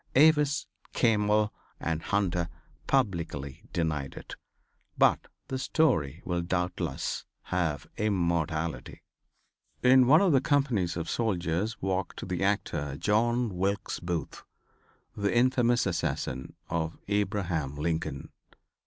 Avis, Campbell and Hunter publicly denied it. But the story will doubtless have immortality. In one of the companies of soldiers walked the actor John Wilkes Booth, the infamous assassin of Abraham Lincoln.